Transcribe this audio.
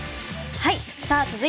はい。